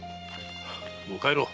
もう帰ろう。